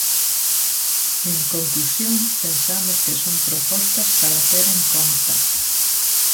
En conclusión, pensamos que son propostas para ter en conta.